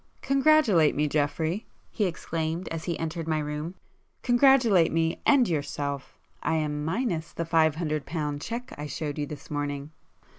"Congratulate me Geoffrey!" he exclaimed as he entered my room—"Congratulate me, and yourself! I am minus the five hundred pound cheque I showed you this morning!"